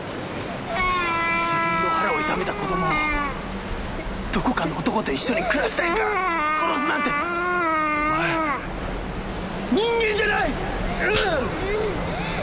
自分の腹を痛めた子供をどこかの男と一緒に暮らしたいから殺すなんてお前人間じゃない！